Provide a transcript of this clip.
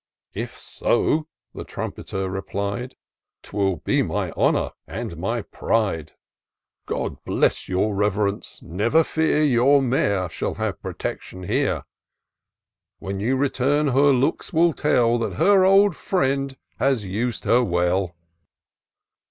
" If so," the Trumpeter replied, " 'Twill be my honour and my pride. God bless your Rev'rence, — ^never fear —^ Your mare shall have protection here ; When you return, her looks will tell. That her old friend has us'd her well."